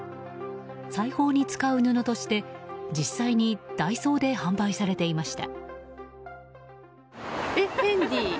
裁縫に使う布として実際にダイソーで販売されていました。